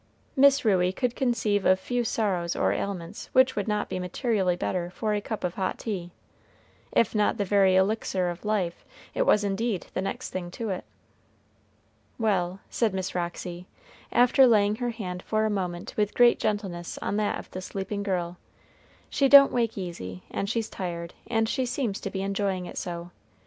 Miss Ruey could conceive of few sorrows or ailments which would not be materially better for a cup of hot tea. If not the very elixir of life, it was indeed the next thing to it. "Well," said Miss Roxy, after laying her hand for a moment with great gentleness on that of the sleeping girl, "she don't wake easy, and she's tired; and she seems to be enjoying it so.